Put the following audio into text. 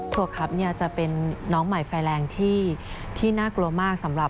ทัวร์ครับจะเป็นน้องใหม่ไฟแรงที่น่ากลัวมาก